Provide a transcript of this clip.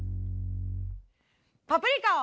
パプリカを。